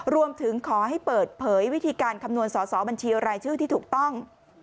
รวมถึงขอให้เปิดเผยวิธีการคำนวณสอสอบัญชีรายชื่อที่ถูกต้อง